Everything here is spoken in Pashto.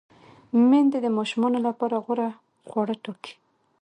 میندې د ماشومانو لپاره غوره خواړه ټاکي۔